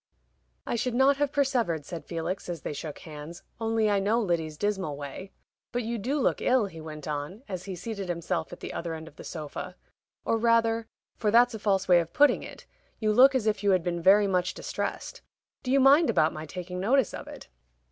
"I should not have persevered," said Felix, as they shook hands, "only I know Lyddy's dismal way. But you do look ill," he went on, as he seated himself at the other end of the sofa. "Or rather for that's a false way of putting it you look as if you had been very much distressed. Do you mind about my taking notice of it?"